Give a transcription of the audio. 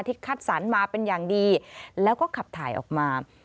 คัดสรรมาเป็นอย่างดีแล้วก็ขับถ่ายออกมา